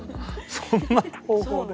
そんな方向で。